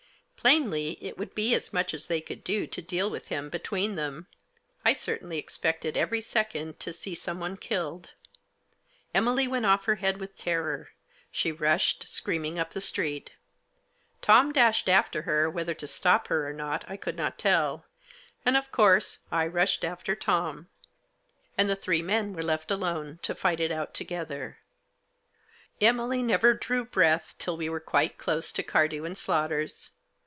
Plainly it would be as much as they could do to deal with him between them. I certainly expected every second to see someone killed, Emily went off her head with terror. She rushed, screaming up the street Tom dashed after her, whether to stop her or not I could not teiL And, of course, I rushed after Tom. And the three men were left alone to fight it out together, Emily never drew breath till we were quite close to Cardew & Slaughter's.